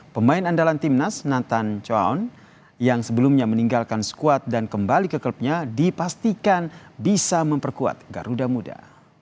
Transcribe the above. pemain andalan timnas nathan chown yang sebelumnya meninggalkan skuad dan kembali ke klubnya dipastikan bisa memperkuat garuda muda